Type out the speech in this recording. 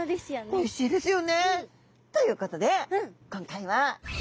おいしいですよね。ということで今回はえっ楽しみ！